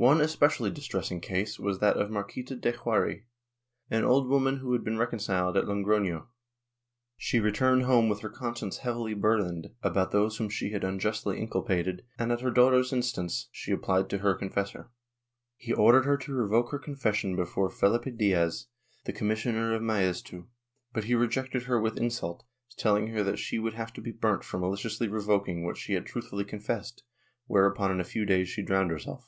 One especially distressing case was that of Marquita de Jaurri, an old woman who had been reconciled at Logrono. She returned home with her conscience heavily burthened about those whom she had unjustly inculpated and, at her daughter's instance, she applied to her confessor. He ordered her to revoke her confession before Phelipe Diaz, the commissioner of Maeztu, but he rejected her with insult, telling her that she would have to be burnt for maliciously revoking what she had truthfully confessed, whereupon in a few days she drowned herself.